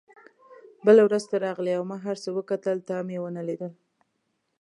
بله ورځ ته راغلې او ما هر څومره وکتل تا مې ونه لیدل.